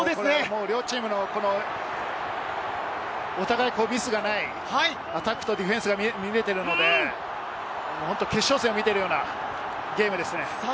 両チームのお互いミスがないアタックとディフェンスが見られているので、決勝戦を見ているようなゲームですね。